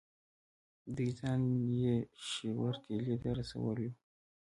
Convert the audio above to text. دوی ځان یې شیورتیلي ته رسولی وو.